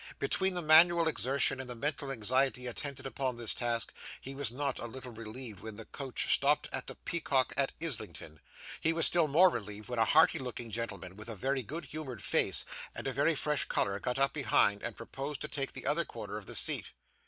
Between the manual exertion and the mental anxiety attendant upon this task, he was not a little relieved when the coach stopped at the Peacock at Islington. He was still more relieved when a hearty looking gentleman, with a very good humoured face, and a very fresh colour, got up behind, and proposed to take the other corner of the seat.